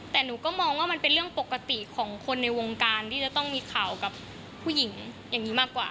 แต่หนูก็มองว่ามันเป็นเรื่องปกติของคนในวงการที่จะต้องมีข่าวกับผู้หญิงอย่างนี้มากกว่า